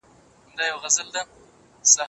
تعلیم باید د مورنۍ ژبې په مرسته وسي.